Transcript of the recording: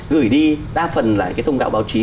gửi đi đa phần là cái thông cáo báo chí